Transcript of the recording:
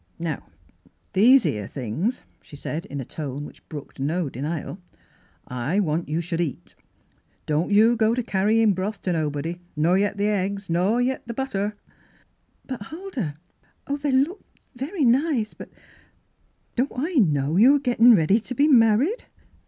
" Now these 'ere things," she said, in a tone which brooked no denial, " I want you should eat. Don't you go to carry ing broth to nobody, ner yet eggs, ner yet butter." " But, Huldah, I — Oh, they look very nice, but —"" Don't I know you're gettin' ready t' be married?